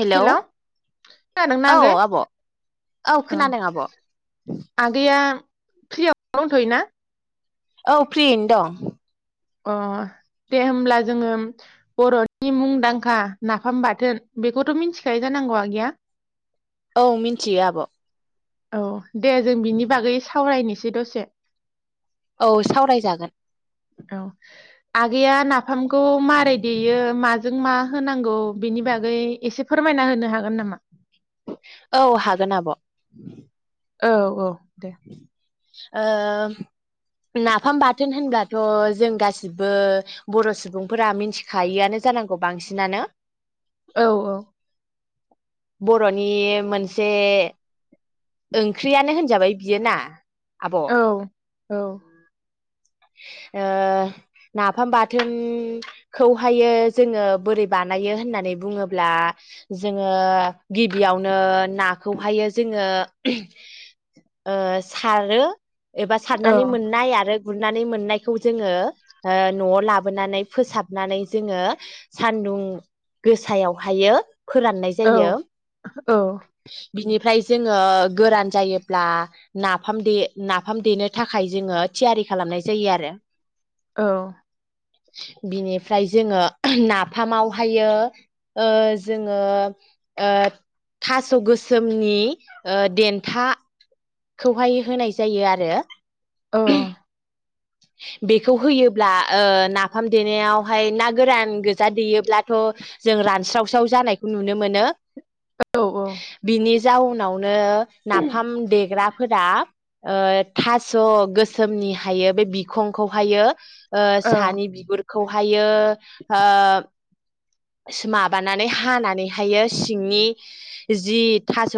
Hello खोनादोंना औ आगै आब' औ अ खोनादों आब'। फ्रि आव दंथयोना। औ फ्रियैनो दं। अ दे होमब्ला जोङो बर'नि मुंदांखा नाफाम बाथोन बेखौथ' मिथिखायो जानांगौ आगैया। औ मिन्थियो आब'। औ। दे जों बिनि बागै सावरायनोसै जि द'से। औ सावरायजागोन। औ आगैया नाफाम फामखौ मारै देयो म जों मा होनांगौ बिनि बागै एसे फोरमायना होनो हागोन नामा? औ हागोन आब'। औ औ। [inaudible] ओ नाफाम बाथोन होनब्लाथ' जों गासिबो बर' सुबुंफोरा मिथिखायआनो जानांगौ बांसिनानो। औ औ बर'नि मोनसे ओंख्रियानो होनजाबाय। बियो ना। आब' ओ औ। औ। ओ नाफाम बाथोनखौहायो जोङो बोरै बानायो होननानै बुङोब्ला जोङो गिबियावनो नाखौहाय जोङो ओ सारो एबा औ सारनानै मोननाय आरो गुरनानै मोननायखौ जोङो ओ न'आव लाबोनानै फोसाबनानै जोङो सानदुं गोसायावहायो फोराननाय औ जायो। औ बिनिफ्राय जोङो गोरान जायोब्ला नाफाम दे नाफाम देनो थाखाय जोङो थियारि खालामनाय जायो आरो औ। बिनिफ्राय जोङो नाफामावहायो ओ जोङो ओ थास' गोसोमनि देन्था खौहाय होनाय जायो आरो [inaudible] औ बेखौ होयोब्ला ओ नाफाम देनायावहाय ना गोरान गोजा देयोब्लाथ' जों रानस्रावस्राव जानायखौ नुनो मोनो। बिनि जउनाव ओ नाफाम देग्रा फोरा ओ थास' गोसोमनि हायो। बे बिखंखौहायो ओ सानि औ बिगुरखौहायो ओ माबानानै हानानैहायो सिंनि जि थास'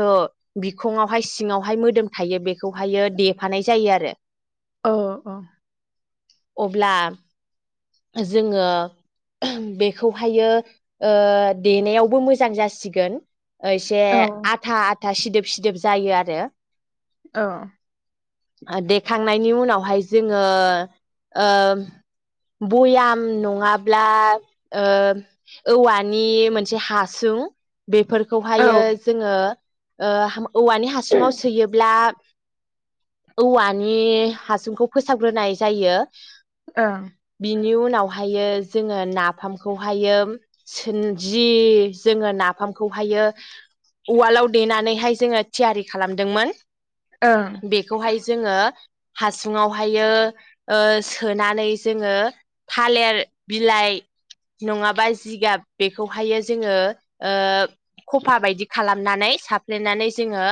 बिखङावहाय सिङावहाय मोदोम थायो बेखौहायो देफानाय जायो आरो औ औ। अब्ला जोङो बेखौहायो ओ देनायावबो मोजां जासिगोन ओसे औ आथा था सिदोब सिदोब जायो आरो औ देखांनायनि उनावहाय जोङो ओ बयाम नङाब्ला ओ औवानि मोनसे हासुं औ ओं बेफोरखौहायो जोङो ओ औवानि हासुङाव सोयोब्ला औवा नि हासुंखौ फोसाबग्रोनाय जायो ओं बेनि उनावहायो जोङो नाफामखौहायो सो जि जोङो नाफामखौहायो उवालाव देनानैहाय जोङो थियारि खालामदोंमोन ओं बेखौहाय जोङो हासुुंङाव फायो ओ सोनानै जोंङो थालिर बिलाइ नङाबा जिगाब बेखौहायो जोङो ओ खफा बादि खालामनानै साफ्लेनानै जोंङो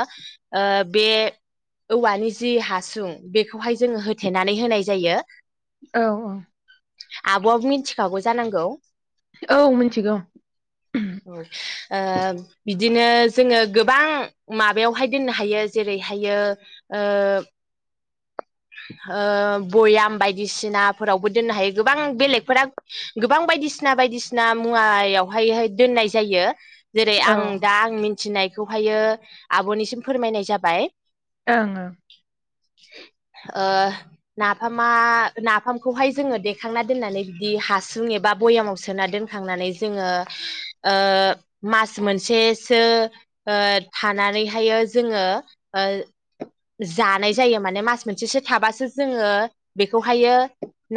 ओ बे औवानि जि हासुं बेखौहाय जोङो हो थेनानै होनाय जायो औ औ आब' आबो मिथिखागौ जानांगौ औ मिथिगौ दिनो जोङो गोबां माबायावहाय दोननो हायो जेरैहायो ओ ओ भयाम बायदिसिनाफोरावबो दोननो हायो गोबां बेलेगफोरा गोबां बायदिसिना बायदिसिना मुवायावहायाय दोननाय जायो जेरै औ आं दा आं मिथिनाय बेखौहायो आबनिसिम फोरमायनाय जाबाय ओं ओ नाफामा नाफामखौहाय जोङो देखांना दोननानै बिदि हासुं एबा भयामाव सोना दोनखांनानै जोङो ओ मास मोनसेसो ओ थानानैहायो जोङो ओ जानाय जायो माने मास मोन बिसेसो थाबासो जोङो बेखौहायो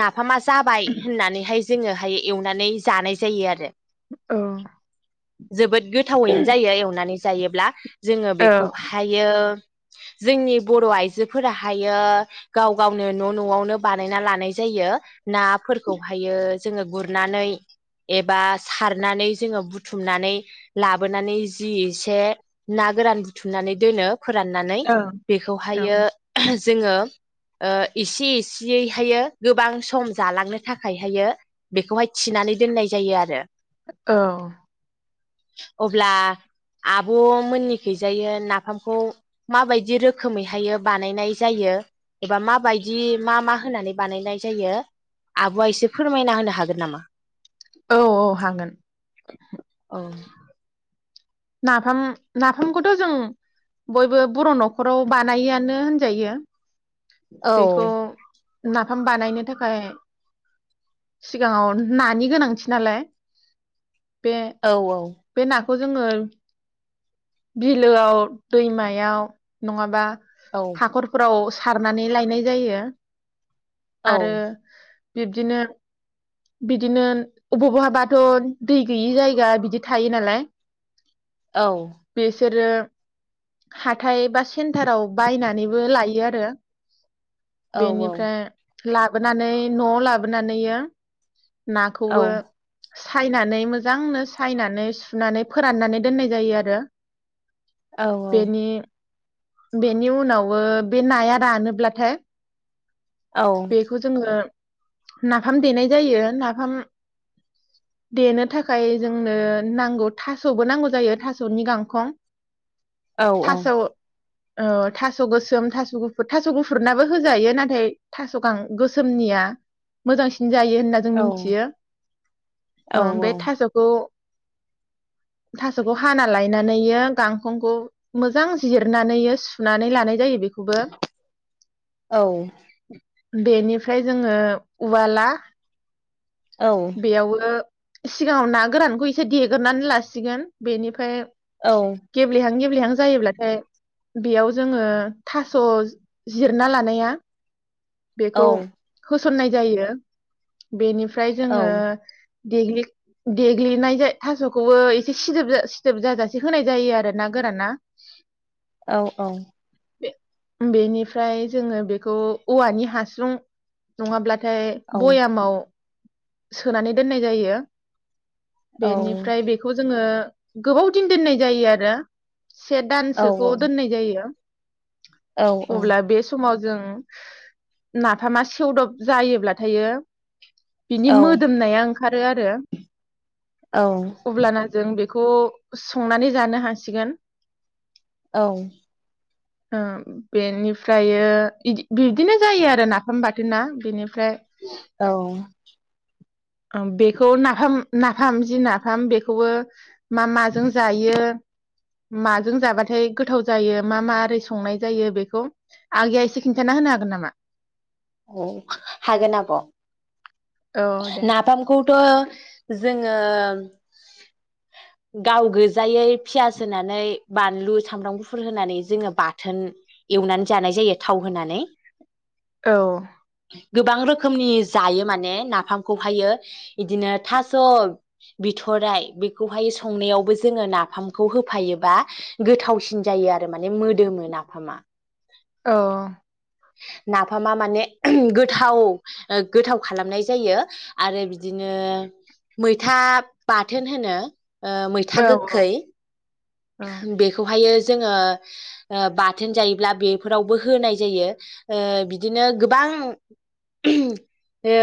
ना फामा जाबाय होननानैहाय जोङोहाय एवनानै जानाय जायो आरो औ जोबोद गोथावैनो जायो एवनानै जायोब्ला जोङो औ बेखौ हायो जोंनि बर' आइजोफोराहाय बेयो गाव गावनो न' न'आवनो बानायना लानाय जायो नाफोरखौहायो जोङो गुरनानै एबा सारनानै जोङो बुथुमनानै लाबोनानै जि एसे ना गोरान बुथुमनानै दोनो। फोराननानै ओं औ बेखौहायो जोङो ओ एसे एसेयैहायो गोबां सम जालांनो थाखायहायो बेखौहाय थिनानै दोननाय जायो आरो औ अब्ला आब' मोननिखैजायो नाफामखौ माबायदि रोखोमै हायो बा बानायनाय जायो एबा माबायदि मा मा होनानै बानायनाय जायो आब'आ एसे फोरमायना होनो हागोन नामा? औ औ हागोन औ नाफाम नाफामखौथ' जों बयबो बर' न'खराव बानायोआनो होनजायो। औ बेखौ नाफाम बानायनो थाखाय सिगाङाव नानि गोनांथि नालाय बे औ बे ना खौ जोङो बिलोआव दैमायाव नङाबा औ हाखरफोराव सारनानै लायनाय जायो। औ आरो बिब्दिनो बिदिनो अबाव बहाबाथ' दै गैयि जायगा बिदि थायो नालाय औ बेसोरो हाथाय बा सेन्टाराव बायनानैबो लायो आरो औ बेनिफ्राय लाबोनानै न'आव लाबोनानैयो नाखौबो औ सायनानै मोजांनो सायनानै सुनानै फोराननानै दोननाय जायो आरो रो औ औ बेनि उनावबो बे नाया रानोब्लाथाय बेखौ जोङो नाफाम देनाय जायो नाफाम देनो थाखाय जोंनो नांगौ थास'बो नांगौ जायो थास' सनि गांखं औ औ थास' औ थास' गोसोम थास' गुफुर थास' गुफुरनाबो होजायो नाथाय थास' गां गोसोमनिया मोजांसिन जायो होनना जों मिथियो ओं औ बे थास'खौ थाास'खौ हाना लायनानैयो गांखंखौ मोजां जिरनानै सुनानै लानाय जायो। बेखौबो बेनिफ्राय जोङो उवाला बेयाव ओ सिगाङाव ना गोरानखौ एसे देगोरनानै लासिगोन। बेनिफ्राय गेब्ले हां गेब्ले हां गेब्ले हां जायोब्लाथाय बेयाव जोङो थास' जिरना लानाया बेखौ औ हो सननाय जायो। बेनिफ्राय औ औ जोङो देग्लि देग्लिनाय जाय थास'खौबो एसे सिदोब सिदोब जाजासे होनाय जायो आरो ना गोराना औ औ। बेनिफ्राय जोङो बेखौ औवानि हासुं नङाब्ला ओमफ्राय औ भयामाव सोनानै दोननाय जायो। बेनिफ्राय बेखौ आङो गोबाव दिन दोननाय जायो आरो से औ दानसोखौ दोननाय जायो। औ औ अब्ला बे समाव जों नाफामा सेवदब जायोब्ला थायो बिनि मोदोमनाया ओ ओंखारो आरो औ। अब्लाना जों बेखौ संनानै जानो हासिगोन। औ। ओ बेनिफ्रायो इदि बिदिनो जायो आरो नाफाम बाथोन ना बेनि फ्राय उम बेखौ नाफाम नाफाम जि नाफाम बेखौबो [inaudible] मा माजों जायो माजों जाबाथाय गोथाव जायो मा मो ओरै संनाय जायो बेखौ आगैया एसे खिन्थाना होनो हागोन नामा? औ हागोन आब' औ दे नाफामखौ थ' जोङो गाव गोजायै फियास होनानै बानलु सामब्राम गुफुर होनानै जोङो बाथोन एवनानै जानाय जायो थाव होनानै औ। गोबां रोखोमनि जायो माने ना नाफामखौहायो इदिनो थास' बिथ'राइ बेखौहाय संनायावबो जोङो नाफामखौ होफायोबा गोथावसिन जायो आरो माने मोदोमो नाफामा। औ। नाफामा माने गोथाव गोथाव खालामनाय जायो आरो बिदिनो मैथा बाथोन होनो ओ मैथा औ गोखै। औ बेखौहायो जोङो ओ बाथोन जायोब्ला बेफोरावबो होनाय जायो ओ बिदिनो गोबां ओ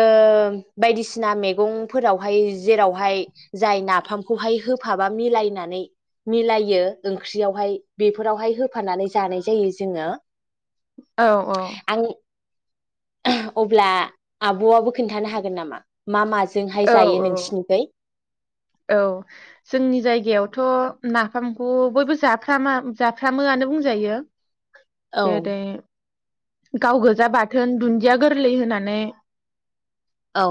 बायदिसिना मैगंफोरावहाय जेरावहाय जाय नाफामखौहाय होफाबा मिलायनानै मिलायो ओंख्रियावहाय बेफोरावहाय होफानानै जानाय जायो जोङो। औ औ। आं अब्ला आबआबो खोन्थानो हागोन नामा मा माज औ औ औ जोंनि जायगायावथ' नाफामखौ बयबो जाफ्रामा जाफ्रामोआनो बुंजायो। औ जेरै गाव गोजा बाथोन दुन्दिया गोरलै होनानै औ।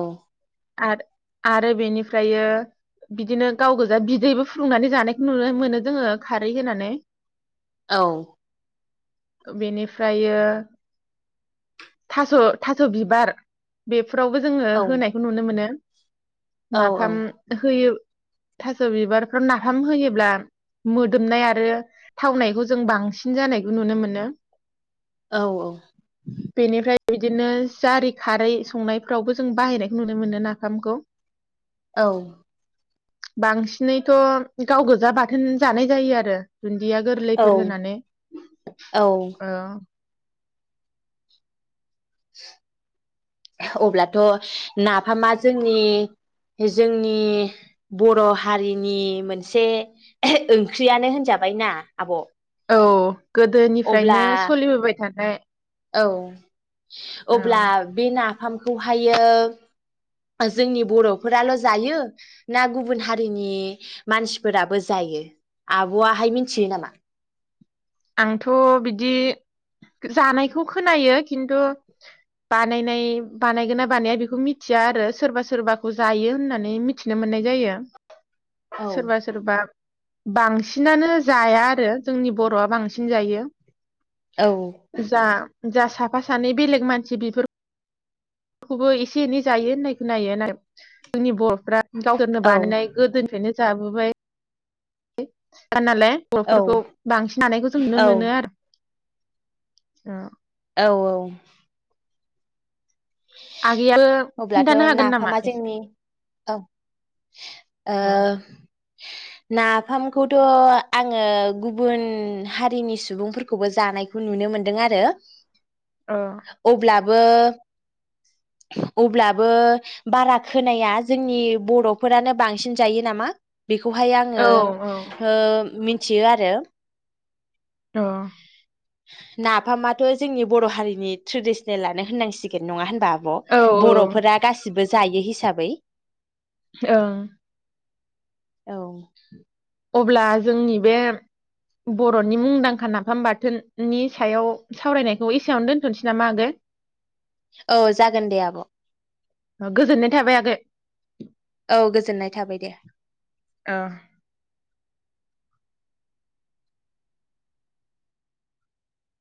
आरो आरो बेनिफ्रायो बिदिनो गाव गोजा बिदैबो फुदुंनानै जानायखौ नुनो मोनो जोङो खारै होनानै। औ। बेनिफ्रायो थास' थास' बिबार बे फोरावबो जोङो औ होनायखौ नुनो मोनो। नाफाम औ होयो। थास' बिबारफ्राव नाफाम होयोब्ला मोदोमनाय आरो थावनायखौ जों बांसिन जानायखौ नुनो मोनो। औ औ। बेनिफ्राय बिदिनो जारि खारै संनायफ्रावबो जों बाहायनायखौ नुनो मोनो नाफामखौ। औ। बांसिनैथ गाव गोजा बाथोन जानाय जायो आरो। दुन्दिया औ गोरलैफोर होनानै औ। अब्लाथ' नाफामा जोंनि जोंनि बर' हारिनि मोनसे ओंख्रियानो होनजाबायना आब? औ अब्ला गोदोनिफ्रायनो सोलिबोबाय थानाय। औ। औ अब्ला बे ना फामखौहायो जोंनि बर'फोराल जायो ना गुबुन हारिनि मानसिफोराबो जायो आबआहाय मिथियो नामा? आंथ बिदि जानायखौ खोनायो खिन्थु बानायनाय बानायगोन ना बानाया बेखौ मिथिया आरो सोरबा सोरबाखौ जायो होननानै मिथिनो मोननाय जायो। औ सोरबा सोरबा बांसिनानो जाया आरो जोंनि बर'आ बांसिन जायो। औ जा जा साफा- सानै बेलेग मानसि बेफोर खौबो एसे- एनै जायो होननाय खोनायो नाथाय जोंनि बरफ्रा गावदोरनो औ बानायनाय गोदोनिफ्रायनो जाबोबाय [unintelligible] नालाय औ बर'फोरखौ बांसिन हानायखौ जों नुनो मोनो अ औ- औ आगैयाबो [unintelligible] अब्लाथ' खिन्थानो हागोन नामा नाफामा एसे जोंनि औ ओ नाफामखौथ' आङो गुबुन हारिनि सुबुंफोरखौबो जानायखौ नुनो मोनदों आरो औ अब्ला बो अब्लाबो बारा खोनाया जोंनि बर'फोरानो बांसिन जायो नामा बेखौहाय औ आङो औ ओ मि थियो आरो अ नाफामाथ' जोंनि बर' हारिनि ट्रेडिसनेलानो होननांसिगोन नङा होनबा आ औ आब' बर'फोरा गासिबो जायो हिसाबै ओं औ अब्ला जोंनि बे बर'नि मुंदांखा नाफाम बाथोननि सायाव सावरायनायखौ एसेयावनो दोनथ'नोसै नामा आगै औ जागोन दे आब' गोजोननाय थाबाय आगै औ गोजोननाय थाबाय दे ओ